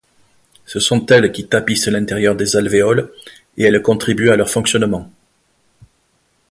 Ce sont elles qui tapissent l'intérieur des alvéoles, et elles contribuent à leur fonctionnement.